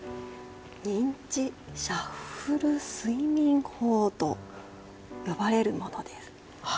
認知シャッフル睡眠法と呼ばれるものです。